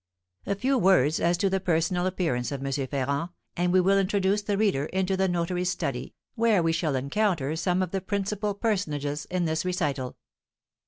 A few words as to the personal appearance of M. Ferrand, and we will introduce the reader into the notary's study, where we shall encounter some of the principal personages in this recital.